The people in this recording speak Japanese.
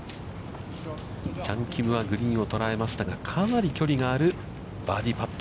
チャン・キムはグリーンを捉えましたが、かなり距離があるバーディーパット。